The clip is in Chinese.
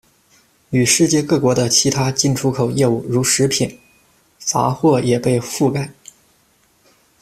与世界各国的其他进出口业务，如食品、雑货也被覆盖。